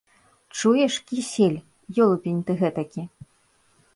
Чуеш, Кісель? Ёлупень ты гэтакі…